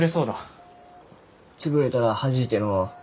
潰れたらはじいてのう。